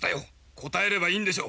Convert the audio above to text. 答えればいいんでしょ」